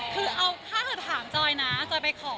คือถ้าเธอถามจอยนะจอยไปขอ